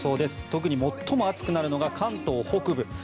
特に最も暑くなるのが関東北部。